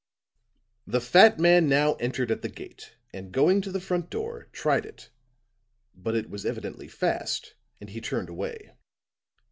The fat man now entered at the gate and going to the front door, tried it. But it was evidently fast, and he turned away.